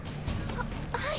はっはい。